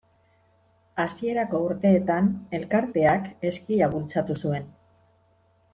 Hasierako urteetan elkarteak eskia bultzatu zuen.